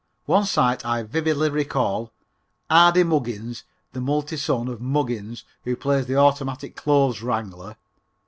One sight I vividly recall, "Ardy" Muggins, the multi son of Muggins who makes the automatic clothes wranglers.